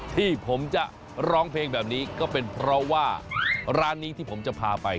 ที่ผมจะร้องเพลงแบบนี้ก็เป็นเพราะว่าร้านนี้ที่ผมจะพาไป